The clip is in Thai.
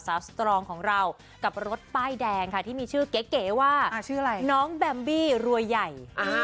สตรองของเรากับรถป้ายแดงค่ะที่มีชื่อเก๋ว่าชื่ออะไรน้องแบมบี้รวยใหญ่